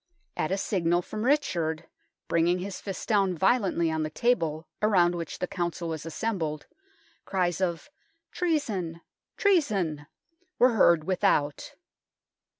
At a signal from Richard, bringing his fist down violently on the table around which the Council was assembled, cries of " Treason ! treason !" were heard without.